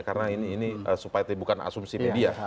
karena ini bukan asumsi media